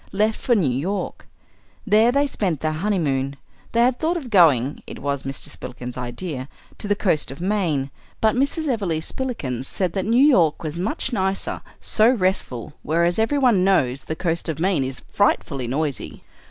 left for New York. There they spent their honeymoon. They had thought of going it was Mr. Spillikins's idea to the coast of Maine. But Mrs. Everleigh Spillikins said that New York was much nicer, so restful, whereas, as everyone knows, the coast of Maine is frightfully noisy.